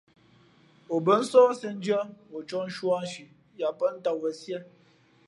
O bά nsǒh siēndʉ̄ᾱ, ǒ ncōh nshū ā nshi yāʼpάʼ tām wen síé.